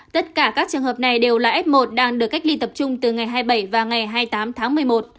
tất cả các trường hợp này đều là f một đang được cách ly tập trung từ ngày hai mươi bảy và ngày hai mươi tám tháng một mươi một